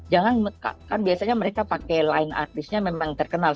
jangan kan biasanya mereka pakai line artisnya memang terkenal